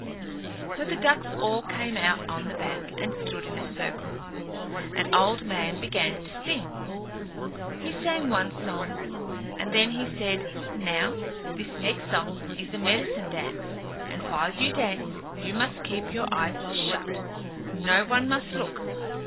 So the ducks all came out on the bank and stood in a circle, and Old Man began to sing. He sang one song, and then said, "Now, this next song is a medicine song, and while you dance you must keep your eyes shut. No one must look.